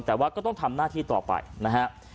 แต่ว่าก็ต้องทำหน้าที่ต่อไปนะฮะ